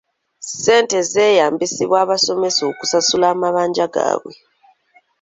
Ssente zeeyambisibwa abasomesa okusasula amabanja gaabwe.